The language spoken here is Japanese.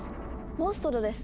モンストロです。